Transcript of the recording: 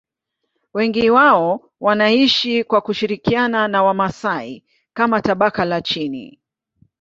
Wengi wao wanaishi kwa kushirikiana na Wamasai kama tabaka la chini.